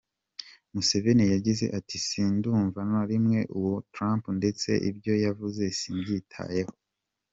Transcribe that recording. Museveni yagize ati “ Sindumva na rimwe uwo Trump ndetse ibyo yavuze simbyitayeho.